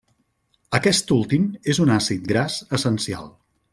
Aquest últim és un àcid gras essencial.